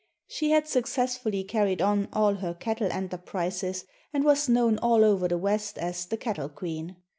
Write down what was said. She had successfully carried on all her cattle enterprises and was known all over the West as the Cattle Queen.